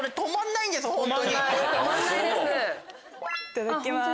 いただきます。